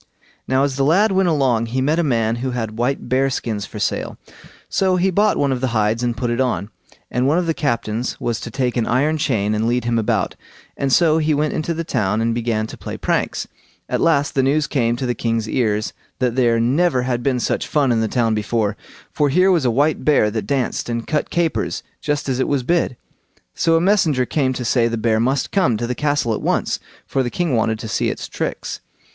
Now as the lad went along he met a man who had white bear skins for sale, so he bought one of the hides and put it on; and one of the captains was to take an iron chain and lead him about, and so he went into the town and began to play pranks. At last the news came to the king's ears, that there never had been such fun in the town before, for here was a white bear that danced and cut capers just as it was bid. So a messenger came to say the bear must come to the castle at once, for the king wanted to see its tricks.